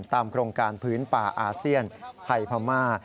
ตามโครงการพื้นป่าอาเซียนไทยพม่า